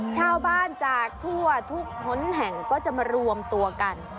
ชาวบ้านจากทั่วทุกหนแห่งก็จะมารวมตัวกัน